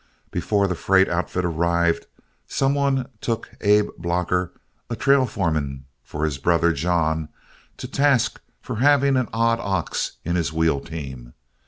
Before the freight outfit arrived, some one took Abb Blocker, a trail foreman for his brother John, to task for having an odd ox in his wheel team.